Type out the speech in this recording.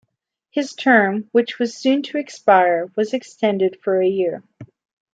His term, which was soon to expire, was extended for a year.